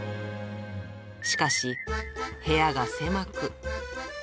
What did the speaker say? しかし、部屋が狭く。